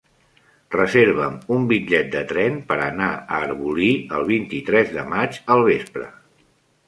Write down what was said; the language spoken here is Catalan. Reserva'm un bitllet de tren per anar a Arbolí el vint-i-tres de maig al vespre.